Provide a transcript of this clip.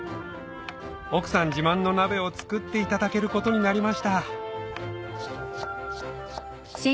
奥さん自慢の鍋を作っていただけることになりました